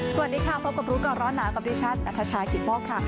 สวัสดีค่ะพบกับลูกก่อนร้อนหนากรอบดิฉันอัธชาคิดมกค่ะ